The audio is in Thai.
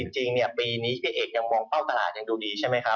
จริงปีนี้พี่เอกยังมองเข้าตลาดยังดูดีใช่ไหมครับ